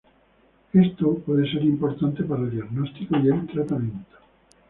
Esto puede ser importante para el diagnóstico y el tratamiento.